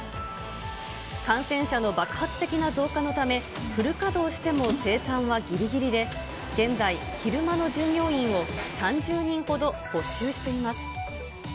感染者の爆発的な増加のため、フル稼働しても生産はぎりぎりで、現在、昼間の従業員を３０人ほど募集しています。